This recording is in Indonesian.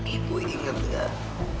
ibu inget gak